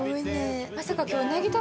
まさか今日。